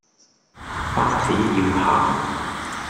巴士要行